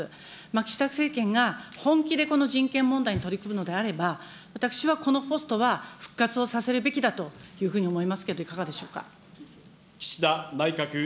岸田政権が本気でこの人権問題に取り組むのであれば、私はこのポストは復活をさせるべきだというふうに思いますけど、いかがでしょうか。